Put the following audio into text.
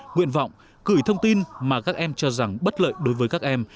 nguyện vọng gửi thông tin mà các em cho rằng bất lợi đối với các em